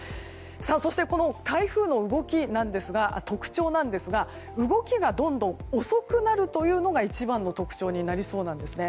そして、台風の動き特徴なんですが動きがどんどん遅くなるのが特徴となりそうなんです。